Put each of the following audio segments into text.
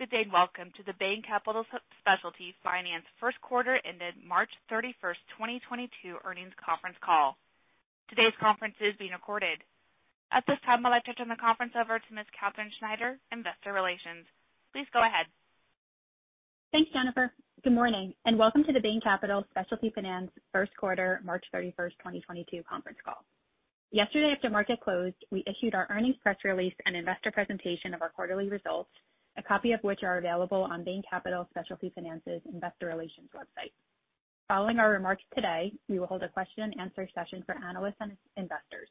Good day, and welcome to the Bain Capital Specialty Finance first quarter ended March 31, 2022 earnings conference call. Today's conference is being recorded. At this time, I'd like to turn the conference over to Ms. Katherine Schneider, Investor Relations. Please go ahead. Thanks, Jennifer. Good morning, and welcome to the Bain Capital Specialty Finance first quarter, March 31, 2022 conference call. Yesterday, after market closed, we issued our earnings press release and investor presentation of our quarterly results, a copy of which are available on Bain Capital Specialty Finance's Investor Relations website. Following our remarks today, we will hold a question and answer session for analysts and investors.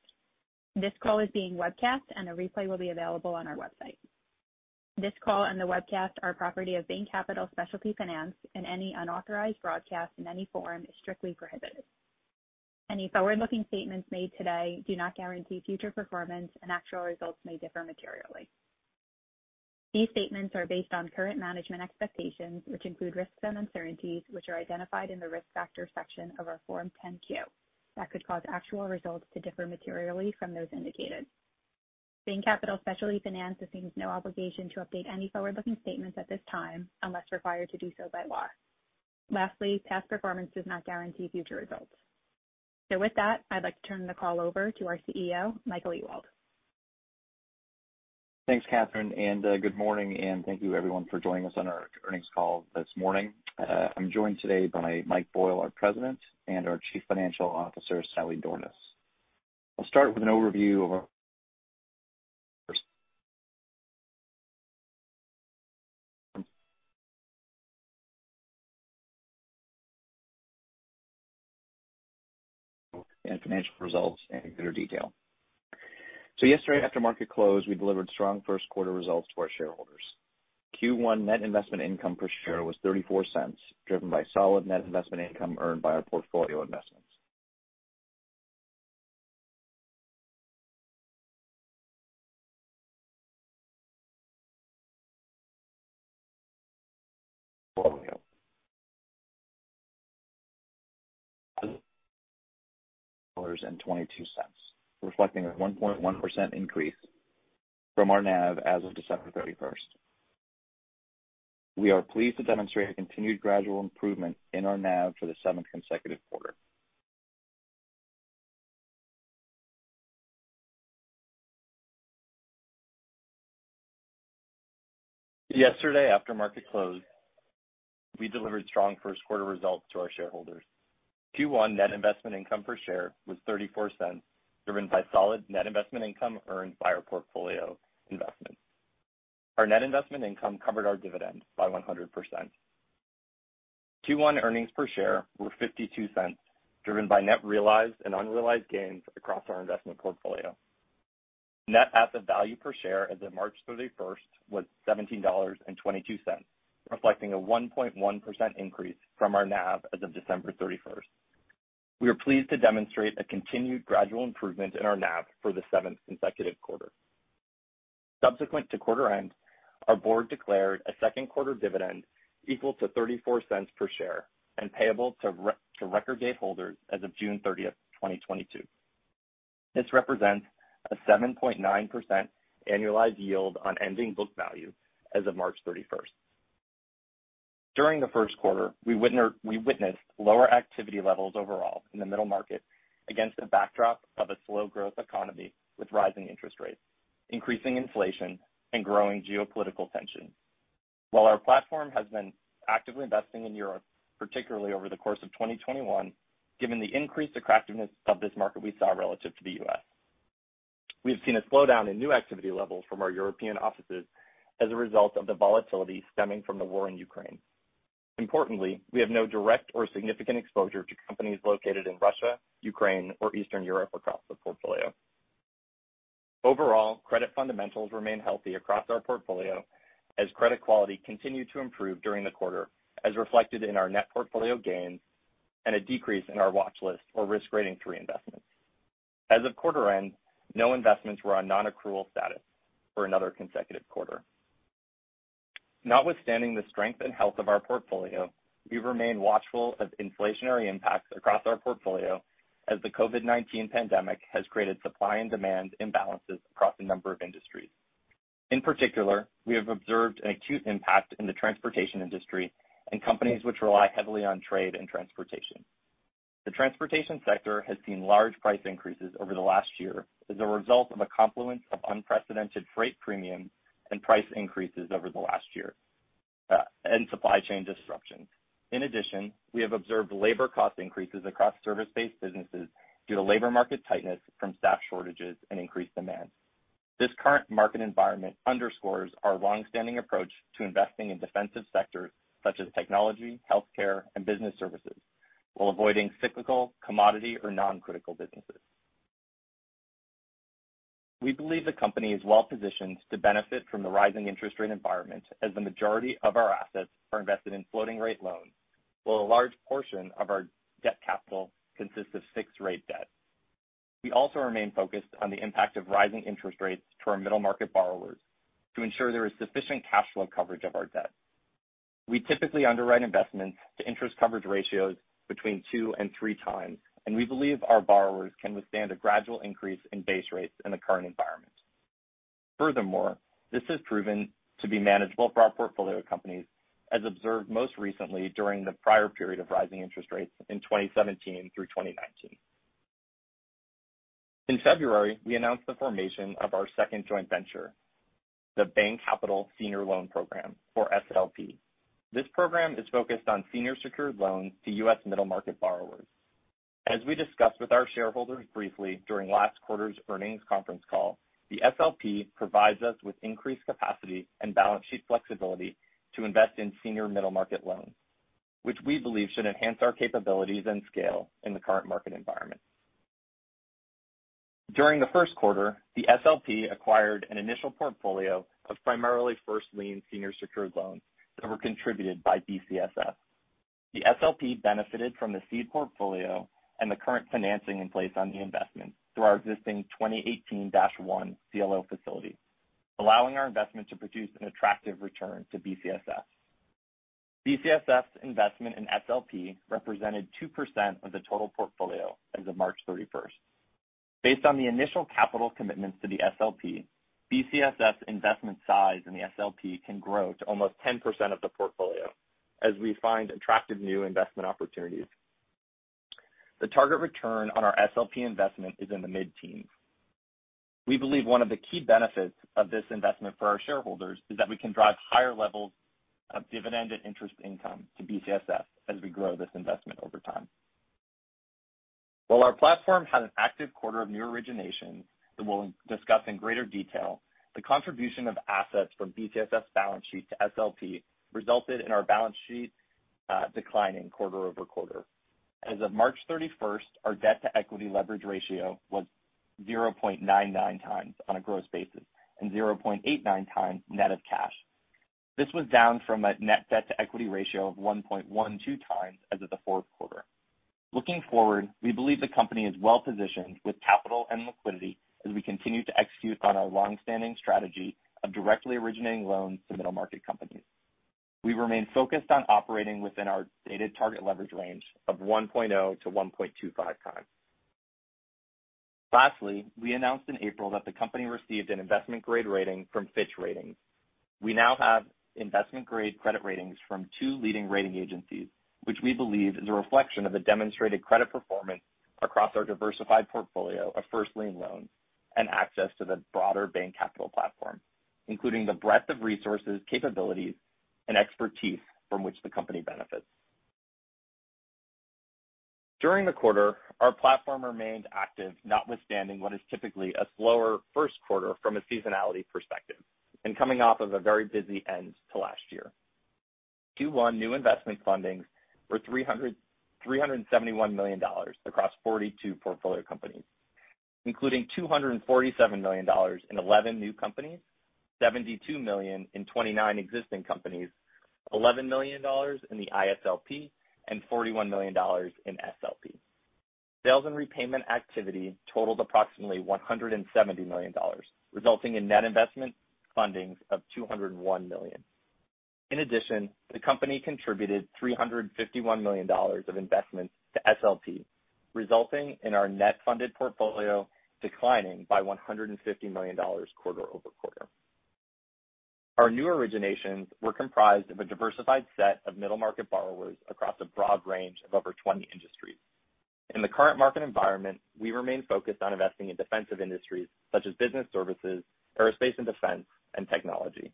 This call is being webcast, and a replay will be available on our website. This call and the webcast are property of Bain Capital Specialty Finance, and any unauthorized broadcast in any form is strictly prohibited. Any forward-looking statements made today do not guarantee future performance, and actual results may differ materially. These statements are based on current management expectations, which include risks and uncertainties, which are identified in the Risk Factors section of our Form 10-Q, that could cause actual results to differ materially from those indicated. Bain Capital Specialty Finance assumes no obligation to update any forward-looking statements at this time, unless required to do so by law. Lastly, past performance does not guarantee future results. With that, I'd like to turn the call over to our CEO, Michael Ewald. Thanks, Katherine, and good morning, and thank you everyone for joining us on our earnings call this morning. I'm joined today by Mike Boyle, our President, and our Chief Financial Officer, Sally Dornaus. I'll start with an overview of our Q1 financial results in greater detail. Yesterday, after market close, we delivered strong first quarter results to our shareholders. Q1 net investment income per share was $0.34, driven by solid net investment income earned by our portfolio investments. Twenty-two cents, reflecting a 1.1% increase from our NAV as of December 31. We are pleased to demonstrate a continued gradual improvement in our NAV for the seventh consecutive quarter. Yesterday, after market close, we delivered strong first quarter results to our shareholders. Q1 net investment income per share was $0.34, driven by solid net investment income earned by our portfolio investments. Our net investment income covered our dividends by 100%. Q1 earnings per share were $0.52, driven by net realized and unrealized gains across our investment portfolio. Net asset value per share as of March 31 was $17.22, reflecting a 1.1% increase from our NAV as of December 31. We are pleased to demonstrate a continued gradual improvement in our NAV for the seventh consecutive quarter. Subsequent to quarter end, our board declared a Q2 dividend equal to $0.34 per share and payable to record date holders as of June 30, 2022. This represents a 7.9% annualized yield on ending book value as of March 31. During the first quarter, we witnessed lower activity levels overall in the middle market against a backdrop of a slow growth economy with rising interest rates, increasing inflation, and growing geopolitical tensions. While our platform has been actively investing in Europe, particularly over the course of 2021, given the increased attractiveness of this market we saw relative to the U.S. We have seen a slowdown in new activity levels from our European offices as a result of the volatility stemming from the war in Ukraine. Importantly, we have no direct or significant exposure to companies located in Russia, Ukraine, or Eastern Europe across the portfolio. Overall, credit fundamentals remain healthy across our portfolio as credit quality continued to improve during the quarter, as reflected in our net portfolio gains and a decrease in our watch list or risk rating three investments. As of quarter end, no investments were on non-accrual status for another consecutive quarter. Notwithstanding the strength and health of our portfolio, we remain watchful of inflationary impacts across our portfolio as the COVID-19 pandemic has created supply and demand imbalances across a number of industries. In particular, we have observed an acute impact in the transportation industry and companies which rely heavily on trade and transportation. The transportation sector has seen large price increases over the last year as a result of a confluence of unprecedented freight premiums and price increases over the last year, and supply chain disruptions. In addition, we have observed labor cost increases across service-based businesses due to labor market tightness from staff shortages and increased demand. This current market environment underscores our long-standing approach to investing in defensive sectors such as technology, healthcare, and business services while avoiding cyclical, commodity or non-critical businesses. We believe the company is well-positioned to benefit from the rising interest rate environment as the majority of our assets are invested in floating rate loans, while a large portion of our debt capital consists of fixed rate debt. We also remain focused on the impact of rising interest rates to our middle market borrowers to ensure there is sufficient cash flow coverage of our debt. We typically underwrite investments to interest coverage ratios between 2x and 3x, and we believe our borrowers can withstand a gradual increase in base rates in the current environment. Furthermore, this has proven to be manageable for our portfolio companies, as observed most recently during the prior period of rising interest rates in 2017 through 2019. In February, we announced the formation of our second joint venture, the Bain Capital Senior Loan Program, or SLP. This program is focused on senior secured loans to U.S. middle-market borrowers. As we discussed with our shareholders briefly during last quarter's earnings conference call, the SLP provides us with increased capacity and balance sheet flexibility to invest in senior middle-market loans, which we believe should enhance our capabilities and scale in the current market environment. During the first quarter, the SLP acquired an initial portfolio of primarily first lien senior secured loans that were contributed by BCSF. The SLP benefited from the seed portfolio and the current financing in place on the investment through our existing 2018-1 CLO facility, allowing our investment to produce an attractive return to BCSF. BCSF's investment in SLP represented 2% of the total portfolio as of March 31st. Based on the initial capital commitments to the SLP, BCSF's investment size in the SLP can grow to almost 10% of the portfolio as we find attractive new investment opportunities. The target return on our SLP investment is in the mid-teens. We believe one of the key benefits of this investment for our shareholders is that we can drive higher levels of dividend and interest income to BCSF as we grow this investment over time. While our platform had an active quarter of new originations that we'll discuss in greater detail, the contribution of assets from BCSF's balance sheet to SLP resulted in our balance sheet declining quarter over quarter. As of March 31, our debt-to-equity leverage ratio was 0.99x on a gross basis and 0.89x net of cash. This was down from a net debt-to-equity ratio of 1.12x as of the Q4. Looking forward, we believe the company is well positioned with capital and liquidity as we continue to execute on our long-standing strategy of directly originating loans to middle market companies. We remain focused on operating within our stated target leverage range of 1.0-1.25x. Lastly, we announced in April that the company received an investment-grade rating from Fitch Ratings. We now have investment-grade credit ratings from two leading rating agencies, which we believe is a reflection of the demonstrated credit performance across our diversified portfolio of first lien loans and access to the broader Bain Capital platform, including the breadth of resources, capabilities, and expertise from which the company benefits. During the quarter, our platform remained active, notwithstanding what is typically a slower first quarter from a seasonality perspective and coming off of a very busy end to last year. Q1 new investment fundings were $371 million across 42 portfolio companies, including $247 million in 11 new companies, $72 million in 29 existing companies, $11 million in the ISLP, and $41 million in SLP. Sales and repayment activity totaled approximately $170 million, resulting in net investment fundings of $201 million. In addition, the company contributed $351 million of investments to SLP, resulting in our net funded portfolio declining by $150 million quarter over quarter. Our new originations were comprised of a diversified set of middle-market borrowers across a broad range of over 20 industries. In the current market environment, we remain focused on investing in defensive industries such as business services, aerospace and defense, and technology.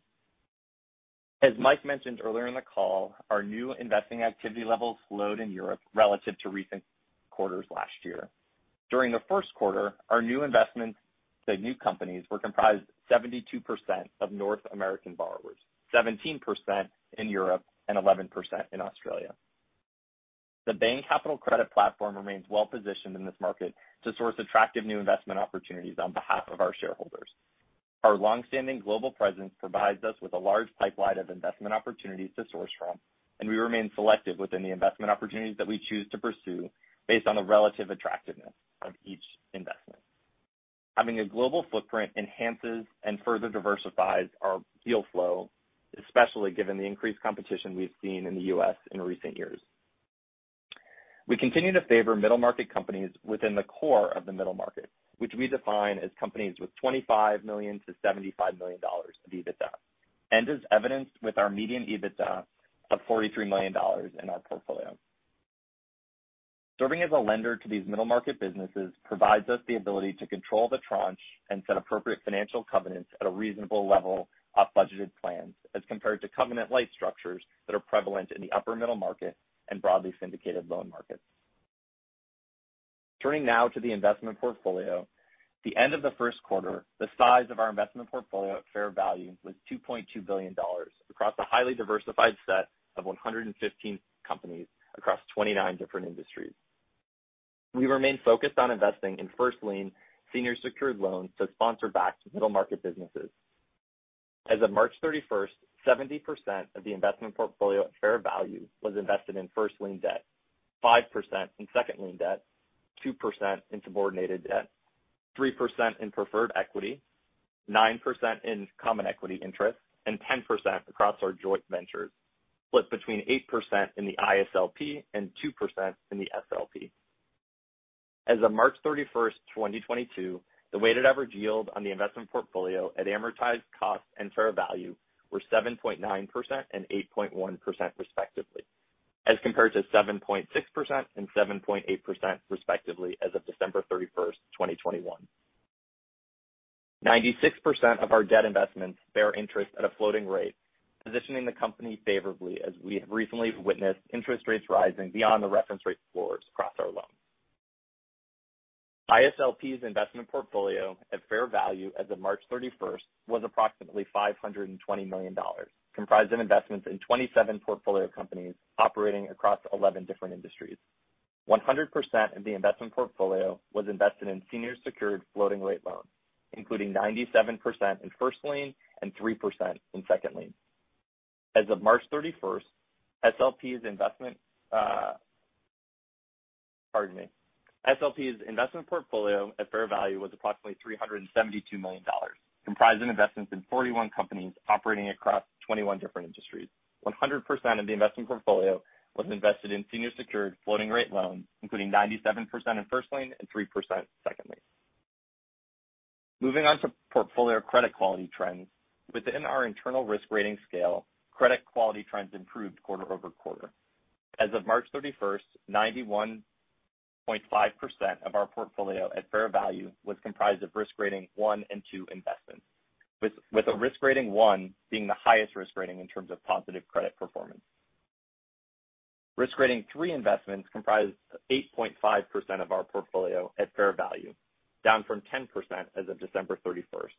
As Mike mentioned earlier in the call, our new investing activity levels slowed in Europe relative to recent quarters last year. During the first quarter, our new investments to new companies were comprised 72% of North American borrowers, 17% in Europe, and 11% in Australia. The Bain Capital Credit platform remains well positioned in this market to source attractive new investment opportunities on behalf of our shareholders. Our long-standing global presence provides us with a large pipeline of investment opportunities to source from, and we remain selective within the investment opportunities that we choose to pursue based on the relative attractiveness of each investment. Having a global footprint enhances and further diversifies our deal flow, especially given the increased competition we've seen in the US in recent years. We continue to favor middle market companies within the core of the middle market, which we define as companies with $25 million-$75 million of EBITDA, and as evidenced with our median EBITDA of $43 million in our portfolio. Serving as a lender to these middle market businesses provides us the ability to control the tranche and set appropriate financial covenants at a reasonable level of budgeted plans, as compared to covenant light structures that are prevalent in the upper middle market and broadly syndicated loan markets. Turning now to the investment portfolio. the end of the first quarter, the size of our investment portfolio at fair value was $2.2 billion across a highly diversified set of 115 companies across 29 different industries. We remain focused on investing in first lien senior secured loans to sponsor backed middle market businesses. As of March 31, 70% of the investment portfolio at fair value was invested in first lien debt, 5% in second lien debt, 2% in subordinated debt. 3% in preferred equity, 9% in common equity interest, and 10% across our joint ventures, split between 8% in the ISLP and 2% in the SLP. As of March 31, 2022, the weighted average yield on the investment portfolio at amortized cost and fair value were 7.9% and 8.1% respectively, as compared to 7.6% and 7.8% respectively as of December 31, 2021. 96% of our debt investments bear interest at a floating rate, positioning the company favorably as we have recently witnessed interest rates rising beyond the reference rate floors across our loans. ISLP's investment portfolio at fair value as of March 31 was approximately $520 million, comprised of investments in 27 portfolio companies operating across 11 different industries. 100% of the investment portfolio was invested in senior secured floating rate loans, including 97% in first lien and 3% in second lien. As of March 31, SLP's investment. SLP's investment portfolio at fair value was approximately $372 million, comprised of investments in 41 companies operating across 21 different industries. 100% of the investment portfolio was invested in senior secured floating rate loans, including 97% in first lien and 3% second lien. Moving on to portfolio credit quality trends. Within our internal risk rating scale, credit quality trends improved quarter-over-quarter. As of March 31st, 91.5% of our portfolio at fair value was comprised of risk rating one and two investments, with a risk rating one being the highest risk rating in terms of positive credit performance. Risk rating three investments comprised 8.5% of our portfolio at fair value, down from 10% as of December 31st.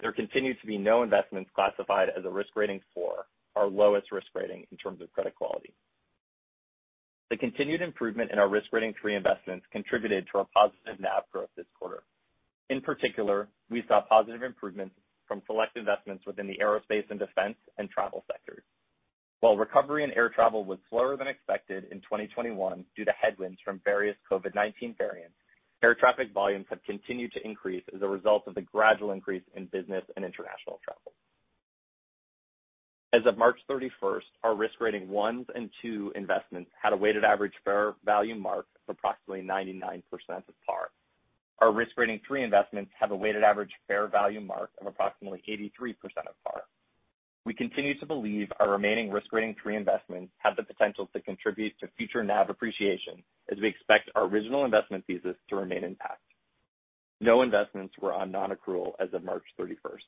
There continued to be no investments classified as a risk rating four, our lowest risk rating in terms of credit quality. The continued improvement in our risk rating three investments contributed to our positive NAV growth this quarter. In particular, we saw positive improvements from select investments within the aerospace and defense and travel sectors. While recovery in air travel was slower than expected in 2021 due to headwinds from various COVID-19 variants, air traffic volumes have continued to increase as a result of the gradual increase in business and international travel. As of March 31, our risk rating ones and two investments had a weighted average fair value mark of approximately 99% of par. Our risk rating three investments have a weighted average fair value mark of approximately 83% of par. We continue to believe our remaining risk rating three investments have the potential to contribute to future NAV appreciation as we expect our original investment thesis to remain intact. No investments were on non-accrual as of March thirty-first.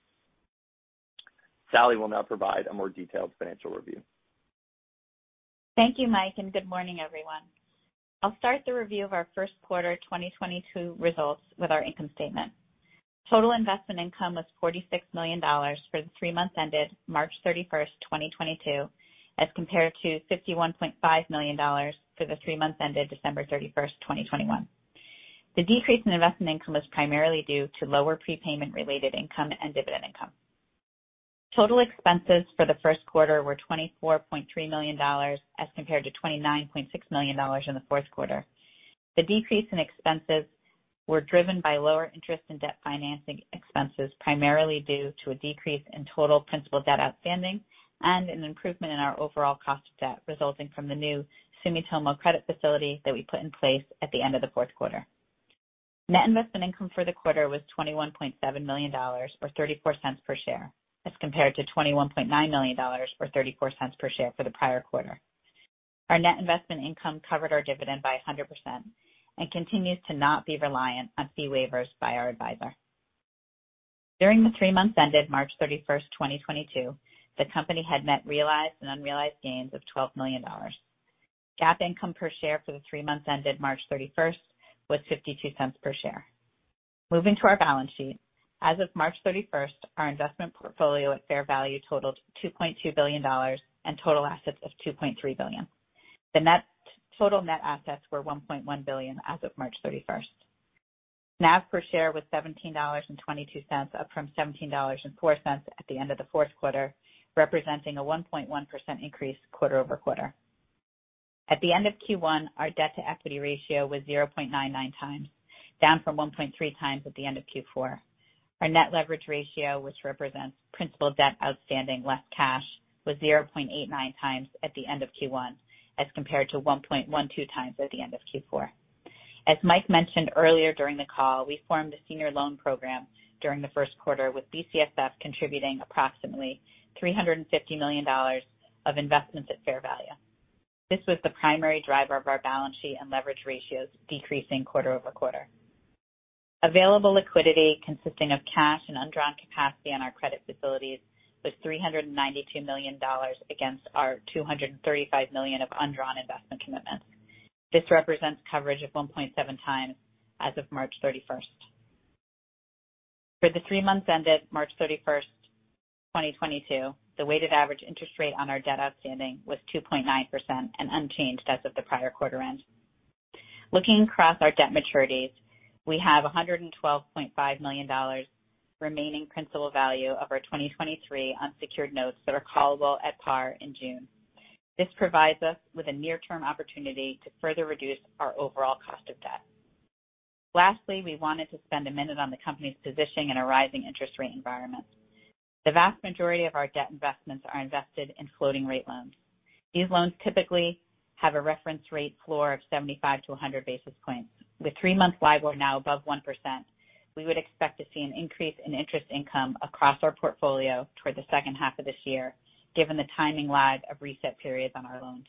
Sally will now provide a more detailed financial review. Thank you, Mike, and good morning, everyone. I'll start the review of our first quarter 2022 results with our income statement. Total investment income was $46 million for the three months ended March 31, 2022, as compared to $51.5 million for the three months ended December 31, 2021. The decrease in investment income was primarily due to lower prepayment-related income and dividend income. Total expenses for the Q1 were $24.3 million, as compared to $29.6 million in the Q4. The decrease in expenses were driven by lower interest and debt financing expenses, primarily due to a decrease in total principal debt outstanding and an improvement in our overall cost of debt resulting from the new Sumitomo credit facility that we put in place at the end of the Q4. Net investment income for the quarter was $21.7 million, or $0.34 per share, as compared to $21.9 million or $0.34 per share for the prior quarter. Our net investment income covered our dividend by 100% and continues to not be reliant on fee waivers by our advisor. During the three months ended March 31, 2022, the company had net realized and unrealized gains of $12 million. GAAP income per share for the three months ended March 31 was $0.52 per share. Moving to our balance sheet. As of March 31, our investment portfolio at fair value totaled $2.2 billion and total assets of $2.3 billion. Total net assets were $1.1 billion as of March 31. NAV per share was $17.22, up from $17.04 at the end of the Q4, representing a 1.1% increase quarter-over-quarter. At the end of Q1, our debt-to-equity ratio was 0.99x, down from 1.3x at the end of Q4. Our net leverage ratio, which represents principal debt outstanding less cash, was 0.89x at the end of Q1 as compared to 1.12x at the end of Q4. As Mike mentioned earlier during the call, we formed a senior loan program during the first quarter with BCSF contributing approximately $350 million of investments at fair value. This was the primary driver of our balance sheet and leverage ratios decreasing quarter-over-quarter. Available liquidity consisting of cash and undrawn capacity on our credit facilities was $392 million against our $235 million of undrawn investment commitments. This represents coverage of 1.7x as of March 31st. For the three months ended March 31st, 2022, the weighted average interest rate on our debt outstanding was 2.9% and unchanged as of the prior quarter end. Looking across our debt maturities, we have $112.5 million remaining principal value of our 2023 unsecured notes that are callable at par in June. This provides us with a near-term opportunity to further reduce our overall cost of debt. Lastly, we wanted to spend a minute on the company's positioning in a rising interest rate environment. The vast majority of our debt investments are invested in floating rate loans. These loans typically have a reference rate floor of 75-100 basis points. With 3-month LIBOR now above 1%, we would expect to see an increase in interest income across our portfolio toward the second half of this year, given the timing lag of reset periods on our loans.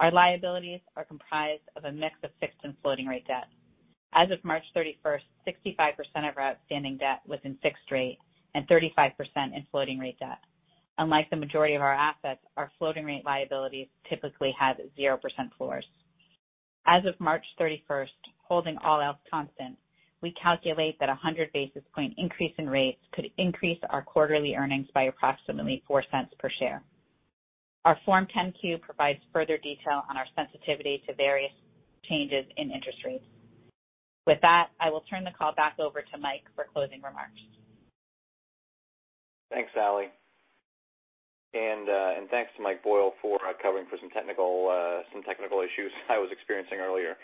Our liabilities are comprised of a mix of fixed and floating rate debt. As of March 31, 65% of our outstanding debt was in fixed rate and 35% in floating rate debt. Unlike the majority of our assets, our floating rate liabilities typically have 0% floors. As of March 31, holding all else constant, we calculate that a 100 basis point increase in rates could increase our quarterly earnings by approximately $0.04 per share. Our Form 10-Q provides further detail on our sensitivity to various changes in interest rates. With that, I will turn the call back over to Mike for closing remarks. Thanks, Sally. Thanks to Mike Boyle for covering for some technical issues I was experiencing earlier.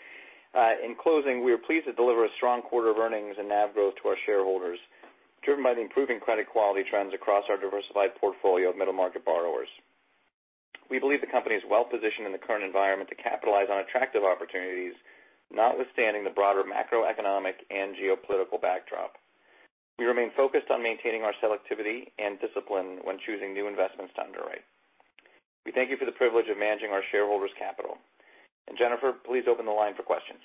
In closing, we are pleased to deliver a strong quarter of earnings and NAV growth to our shareholders, driven by the improving credit quality trends across our diversified portfolio of middle-market borrowers. We believe the company is well-positioned in the current environment to capitalize on attractive opportunities, notwithstanding the broader macroeconomic and geopolitical backdrop. We remain focused on maintaining our selectivity and discipline when choosing new investments to underwrite. We thank you for the privilege of managing our shareholders' capital. Jennifer, please open the line for questions.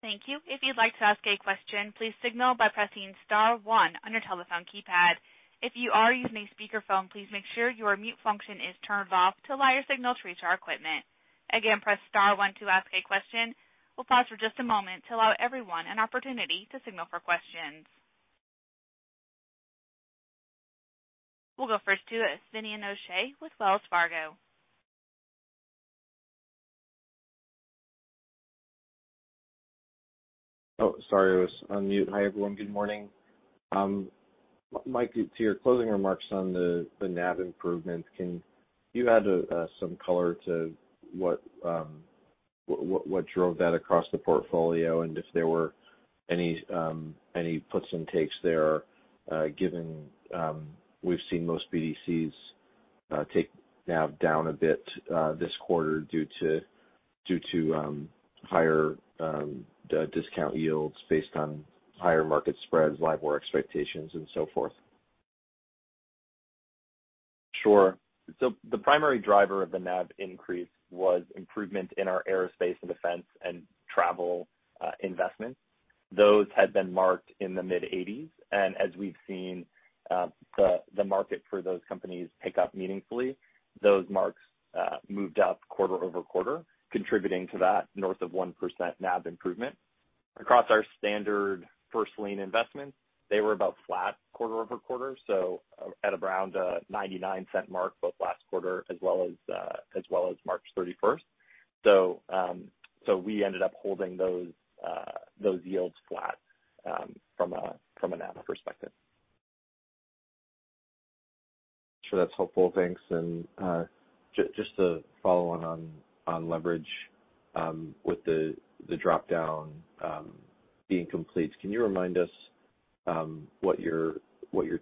Thank you. If you'd like to ask a question, please signal by pressing star one on your telephone keypad. If you are using a speakerphone, please make sure your mute function is turned off to allow your signal to reach our equipment. Again, press star one to ask a question. We'll pause for just a moment to allow everyone an opportunity to signal for questions. We'll go first to Finian O'Shea with Wells Fargo. Oh, sorry, I was on mute. Hi, everyone. Good morning. Mike, to your closing remarks on the NAV improvement, can you add some color to what drove that across the portfolio, and if there were any puts and takes there, given we've seen most BDCs take NAV down a bit this quarter due to higher discount yields based on higher market spreads, LIBOR expectations and so forth? Sure. The primary driver of the NAV increase was improvement in our aerospace and defense and travel investments. Those had been marked in the mid-80s. As we've seen, the market for those companies pick up meaningfully, those marks moved up quarter-over-quarter, contributing to that north of 1% NAV improvement. Across our standard first lien investments, they were about flat quarter-over-quarter, so at around a 99% mark both last quarter as well as March 31. We ended up holding those yields flat from a NAV perspective. Sure. That's helpful. Thanks. Just to follow on leverage with the drop down being complete, can you remind us what your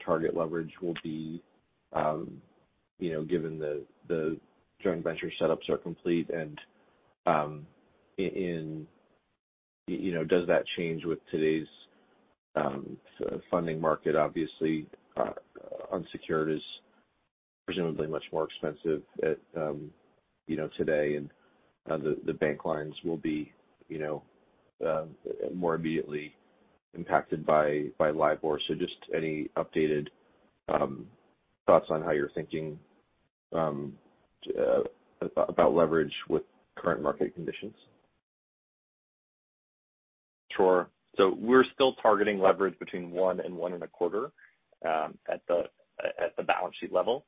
target leverage will be given the joint venture setups are complete and does that change with today's funding market? Obviously, unsecured is presumably much more expensive at today, and the bank lines will be more immediately impacted by LIBOR. Just any updated thoughts on how you're thinking about leverage with current market conditions. Sure. We're still targeting leverage between 1 and 1.25 at the balance sheet level.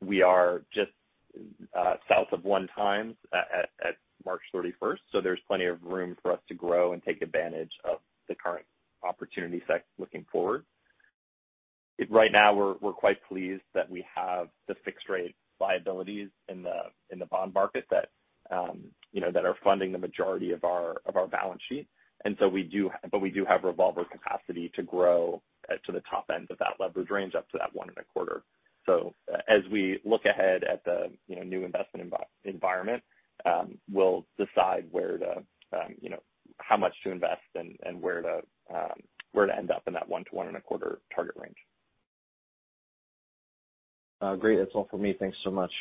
We are just south of 1x at March 31st, so there's plenty of room for us to grow and take advantage of the current opportunity set looking forward. Right now we're quite pleased that we have the fixed rate liabilities in the bond market that you know that are funding the majority of our balance sheet. We do have revolver capacity to grow to the top end of that leverage range up to that 1.25. As we look ahead at the you know new investment environment, we'll decide where to you know how much to invest and where to end up in that 1-1.25 target range. Great. That's all for me. Thanks so much.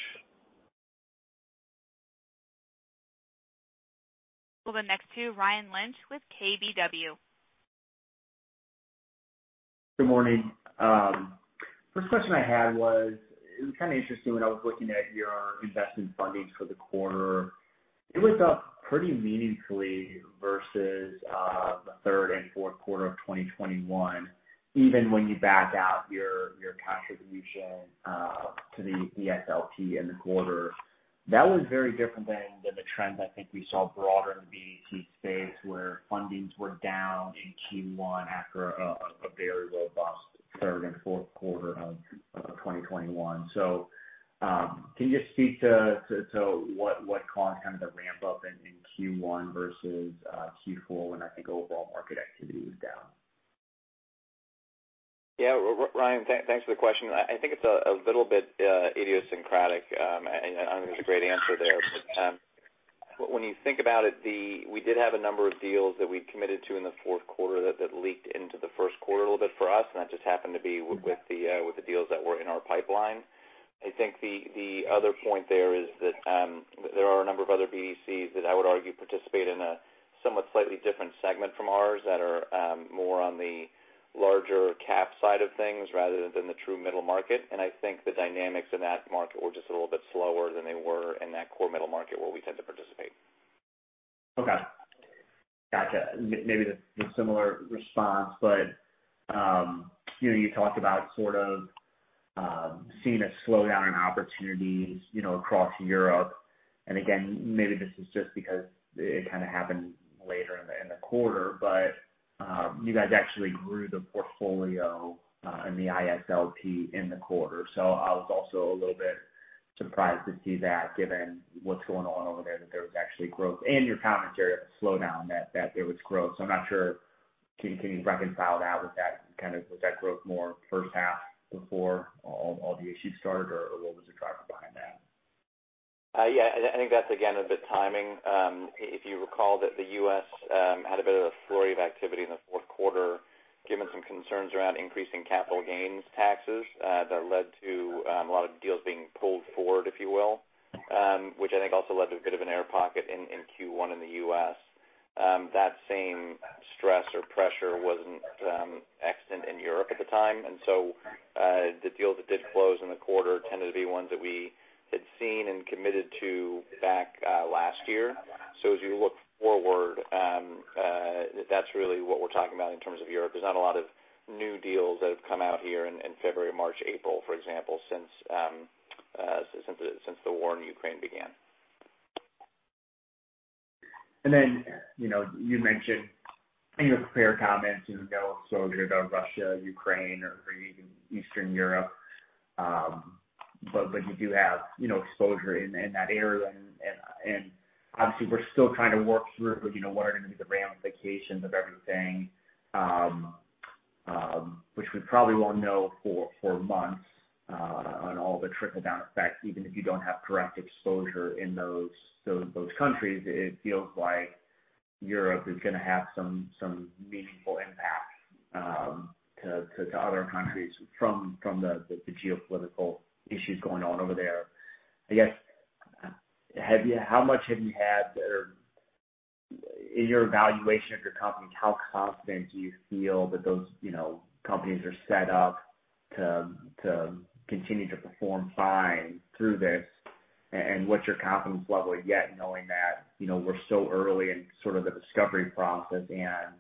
We'll go next to Ryan Lynch with KBW. Good morning. First question I had was, it was kind of interesting when I was looking at your investment fundings for the quarter. It was up pretty meaningfully versus the Q3and Q4 of 2021, even when you back out your contribution to the SLP in the quarter. That was very different than the trends I think we saw broader in the BDC space, where fundings were down in Q1 after a very robust third and Q4 of 2021. Can you just speak to what caused kind of the ramp up in Q1 versus Q4 when I think overall market activity was down? Yeah. Ryan, thanks for the question. I think it's a little bit idiosyncratic, and I don't think there's a great answer there. When you think about it, we did have a number of deals that we'd committed to in the Q4 that leaked into the first quarter a little bit for us, and that just happened to be with the deals that were in our pipeline. I think the other point there is that there are a number of other BDCs that I would argue participate in a somewhat slightly different segment from ours that are more on the large cap side of things rather than the true middle market. I think the dynamics in that market were just a little bit slower than they were in that core middle market where we tend to participate. Okay. Gotcha. Maybe the similar response, but you talked about sort of, seeing a slowdown in opportunities, you know, across Europe. Again, maybe this is just because it kind of happened later in the quarter, but, you guys actually grew the portfolio in the ISLP in the quarter. I was also a little bit surprised to see that given what's going on over there, that there was actually growth and your commentary on the slowdown that there was growth. I'm not sure. Can you reconcile that? Was that kind of growth more first half before all the issues started, or what was the driver behind that? I think that's again a bit of timing. If you recall that the U.S. had a bit of a flurry of activity in the Q4, given some concerns around increasing capital gains taxes, that led to a lot of deals being pulled forward, if you will, which I think also led to a bit of an air pocket in Q1 in the U.S. That same stress or pressure wasn't extant in Europe at the time. The deals that did close in the quarter tended to be ones that we had seen and committed to back last year. As you look forward, that's really what we're talking about in terms of Europe. There's not a lot of new deals that have come out here in February, March, April, for example, since the war in Ukraine began. Then you mentioned in your prepared comments, you have no exposure to Russia, Ukraine, or even Eastern Europe. But you do have exposure in that area. Obviously we're still trying to work through. What are gonna be the ramifications of everything, which we probably won't know for months on all the trickle-down effects. Even if you don't have direct exposure in those countries, it feels like Europe is gonna have some meaningful impact to other countries from the geopolitical issues going on over there. How much have you had or in your evaluation of your company, how confident do you feel that those companies are set up to continue to perform fine through this? What's your confidence level yet knowing that we're so early in sort of the discovery process and,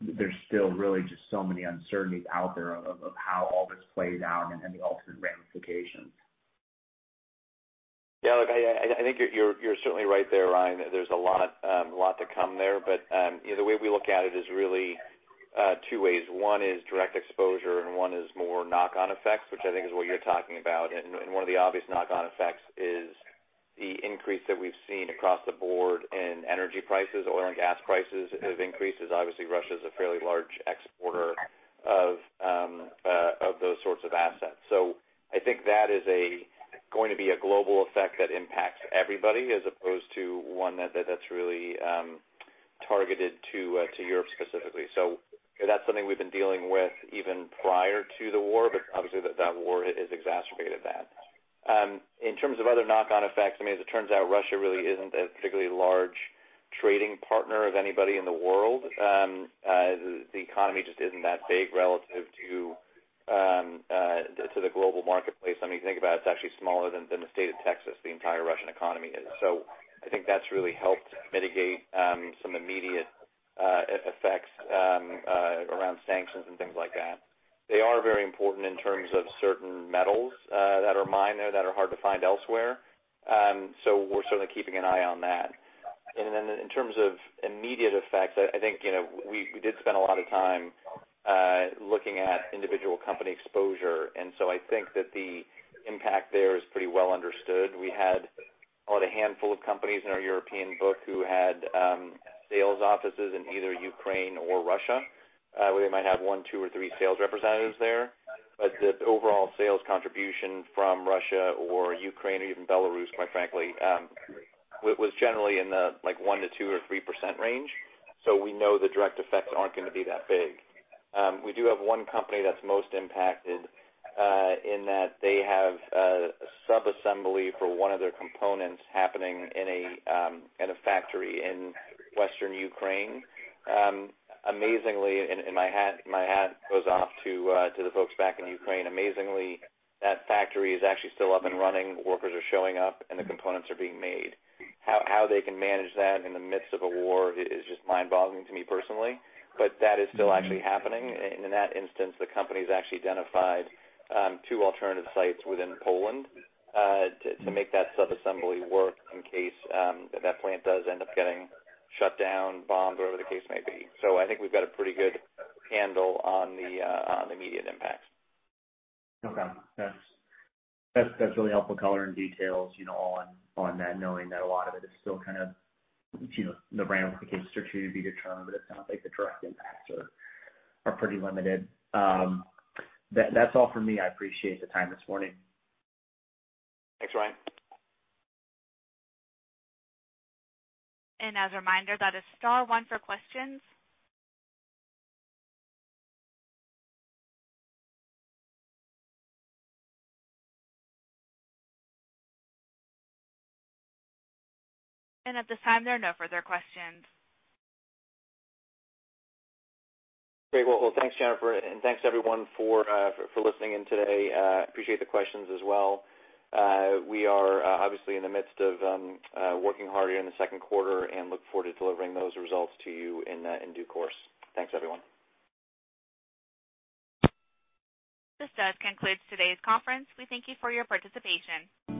there's still really just so many uncertainties out there of how all this plays out and the ultimate ramifications? Yeah, look, I think you're certainly right there, Ryan. There's a lot to come there. You know, the way we look at it is really two ways. One is direct exposure and one is more knock-on effects, which I think is what you're talking about. One of the obvious knock-on effects is the increase that we've seen across the board in energy prices. Oil and gas prices have increased as obviously Russia is a fairly large exporter of those sorts of assets. I think that is going to be a global effect that impacts everybody as opposed to one that's really targeted to Europe specifically. That's something we've been dealing with even prior to the war, but obviously that war has exacerbated that. In terms of other knock-on effects, I mean, as it turns out, Russia really isn't a particularly large trading partner of anybody in the world. The economy just isn't that big relative to the global marketplace. I mean, think about it's actually smaller than the state of Texas, the entire Russian economy is. So I think that's really helped mitigate some immediate effects around sanctions and things like that. They are very important in terms of certain metals that are mined there that are hard to find elsewhere. So we're certainly keeping an eye on that. Then in terms of immediate effects, I think, you know, we did spend a lot of time looking at individual company exposure, and so I think that the impact there is pretty well understood. We had only a handful of companies in our European book who had sales offices in either Ukraine or Russia, where they might have one, two, or three, sales representatives there. The overall sales contribution from Russia or Ukraine or even Belarus, quite frankly, was generally in the, like, 1% to 2% or 3% range. We know the direct effects aren't gonna be that big. We do have one company that's most impacted, in that they have a sub-assembly for one of their components happening in a factory in western Ukraine. Amazingly, my hat goes off to the folks back in Ukraine. Amazingly, that factory is actually still up and running, workers are showing up, and the components are being made. How they can manage that in the midst of a war is just mind-boggling to me personally, but that is still actually happening. In that instance, the company's actually identified two alternative sites within Poland to make that sub-assembly work in case if that plant does end up getting shut down, bombed or whatever the case may be. I think we've got a pretty good handle on the immediate impacts. Okay. That's really helpful color and details, you know, on that, knowing that a lot of it is still kind of, you know, the ramifications are to be determined, but it sounds like the direct impacts are pretty limited. That's all for me. I appreciate the time this morning. Thanks, Ryan. As a reminder, that is star one for questions. At this time, there are no further questions. Great. Well, thanks, Jennifer. Thanks, everyone, for listening in today. Appreciate the questions as well. We are obviously in the midst of working hard here in the Q2 and look forward to delivering those results to you in due course. Thanks, everyone. This does conclude today's conference. We thank you for your participation.